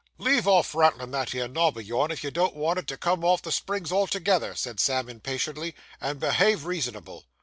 'Leave off rattlin' that 'ere nob o' yourn, if you don't want it to come off the springs altogether,' said Sam impatiently, 'and behave reasonable.